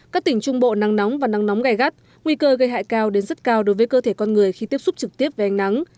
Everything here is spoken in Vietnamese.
các tỉnh trung bộ nắng nóng và nắng nóng gai gắt nguy cơ gây hại cao đến rất cao đối với cơ thể con người khi tiếp xúc trực tiếp với ánh nắng